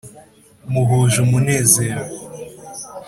muhuje umunezero